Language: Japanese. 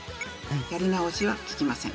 やり直しは利きません。